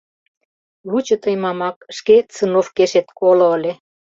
— Лучо, тый, Мамак, шке цыновкешет коло ыле!..